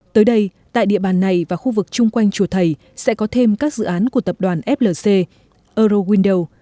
tới đây tại địa bàn này và khu vực chung quanh chùa thầy sẽ có thêm các dự án của tập đoàn flc eurowindow